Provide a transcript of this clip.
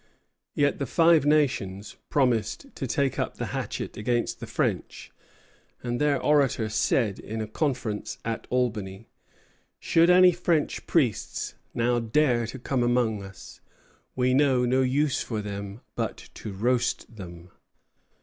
Yet the Five Nations promised to take up the hatchet against the French, and their orator said, in a conference at Albany, "Should any French priests now dare to come among us, we know no use for them but to roast them."